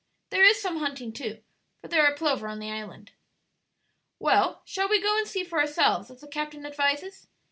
There is some hunting, too, for there are plover on the island." "Well, shall we go and see for ourselves, as the captain advises?"